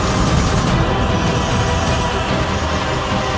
sang penguasa kerajaan penyelidikan